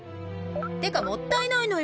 ってかもったいないのよ